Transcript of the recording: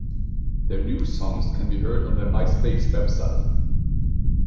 Their new songs can be heard on their MySpace website.